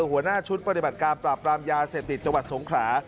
หัวหน้าชุดปฏิบัติการปราบปรามยาเสพติดจังหวัดสงขลา